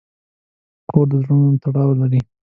کور د زړونو تړاو لري.